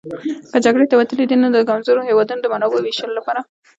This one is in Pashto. که جګړې ته وتلي دي نو د کمزورو هېوادونو د منابعو وېشلو لپاره.